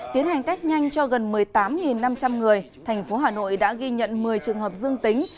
tiến hành test nhanh cho gần một mươi tám năm trăm linh người thành phố hà nội đã ghi nhận một mươi trường hợp dương tính